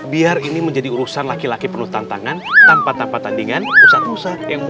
biar ini menjadi urusan laki laki penuh tantangan tanpa tanpa tandingan usah usah yang mau